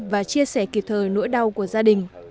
và chia sẻ kịp thời nỗi đau của gia đình